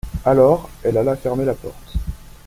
Alors, elle alla fermer la porte.